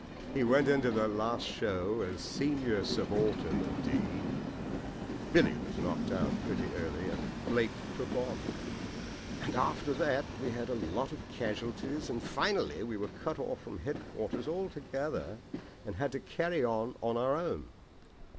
He went into that last show as senior subaltern of 'D.' Billy was knocked out pretty early and Blake took on. After that we had a lot of casualties, and finally we were cut off from headquarters altogether and had to carry on on our own.